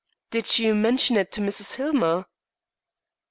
"Did you mention it to Mrs. Hillmer?"